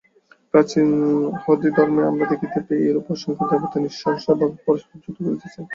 প্রাচীন য়াহুদী ধর্মে আমরা দেখিতে পাই, এইরূপ অসংখ্য দেবতা নৃশংসভাবে পরস্পর যুদ্ধ করিতেছেন।